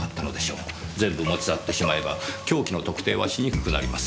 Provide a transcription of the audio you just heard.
全部持ち去ってしまえば凶器の特定はしにくくなります。